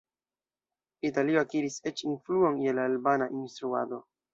Italio akiris eĉ influon je la albana instruado.